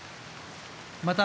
また、